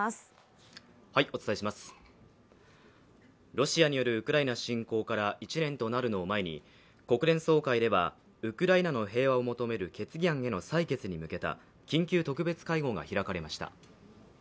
ロシアによるウクライナ侵攻から１年となるのを前に国連総会ではウクライナの平和を求める決議案への採決に向けた緊急特別会合が開かれました。